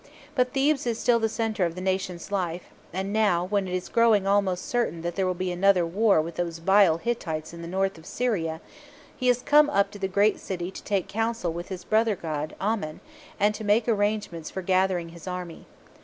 But Thebes is still the centre of the nation's life, and now, when it is growing almost certain that there will be another war with those vile Hittites in the North of Syria, he has come up to the great city to take counsel with his brother god, Amen, and to make arrangements for gathering his army.